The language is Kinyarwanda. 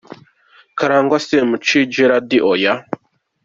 Karangwa Semushi Gerard : oya !